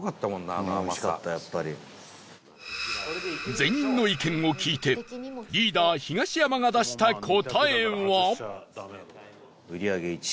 全員の意見を聞いてリーダー東山が出した答えは？